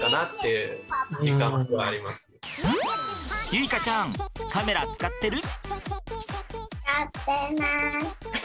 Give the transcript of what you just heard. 結花ちゃんカメラ使ってる？